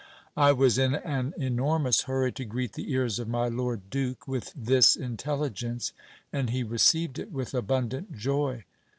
I was in an enormous hurry to greet the ears of my lord duke with this intelligence, and he received it with abundant joy.